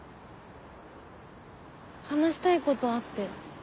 話したいことあって。